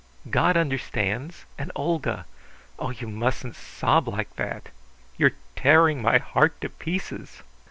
God understands, and Olga. Oh, you mustn't sob like that! You are tearing my heart to pieces!"